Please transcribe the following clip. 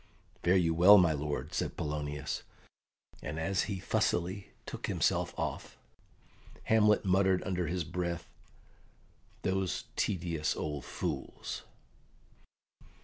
"Fare you well, my lord," said Polonius; and as he fussily took himself off, Hamlet muttered under his breath, "Those tedious old fools!"